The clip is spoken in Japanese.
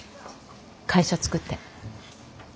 会社作って。